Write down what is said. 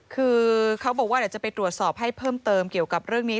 คือเขาบอกว่าเดี๋ยวจะไปตรวจสอบให้เพิ่มเติมเกี่ยวกับเรื่องนี้